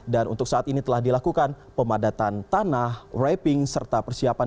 dan untuk saat ini telah dilakukan pemadatan tanah wrapping serta persiapan